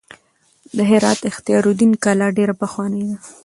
د هرات اختیار الدین کلا ډېره پخوانۍ ده.